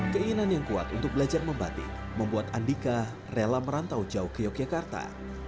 keinginan yang kuat untuk belajar membatik membuat andika rela merantau jauh ke yogyakarta